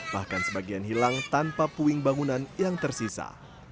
bahkan sebagian hilang tanpa puing bangunan yang tersisa